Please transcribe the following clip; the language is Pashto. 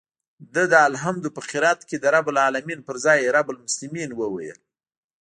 ده د الحمد په قرائت کښې د رب العلمين پر ځاى رب المسلمين وويل.